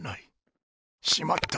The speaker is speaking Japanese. しまった！